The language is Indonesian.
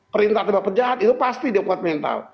perintah tembak pejahat itu pasti dia kuat mental